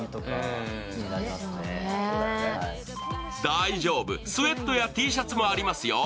大丈夫、スエットやＴシャツもありますよ。